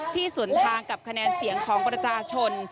สวนทางกับคะแนนเสียงของประชาชน